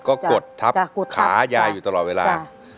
ขาค่ายายอยู่ตลอดเวลา